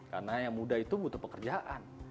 karena yang muda itu butuh pekerjaan